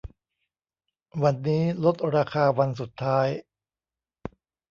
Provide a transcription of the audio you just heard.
วันนี้ลดราคาวันสุดท้าย